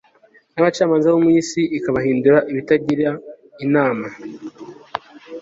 n abacamanza bo mu isi ikabahindura ibitagirainama